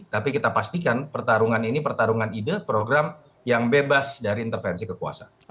tapi kita pastikan pertarungan ini pertarungan ide program yang bebas dari intervensi kekuasaan